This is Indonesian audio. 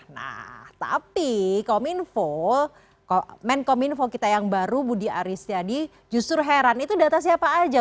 nah tapi kominfo menkominfo kita yang baru budi aristiadi justru heran itu data siapa aja